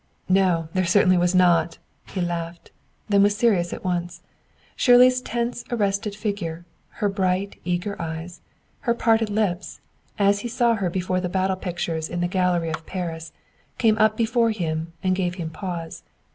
"No; there certainly was not!" He laughed, then was serious at once. Shirley's tense, arrested figure, her bright, eager eyes, her parted lips, as he saw her before the battle pictures in the gallery at Paris, came up before him and gave him pause.